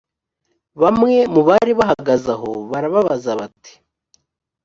bamwe mu bari bahagaze aho barababaza bati